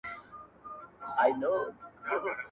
تور او سور، زرغون بیرغ رپاند پر لر او بر.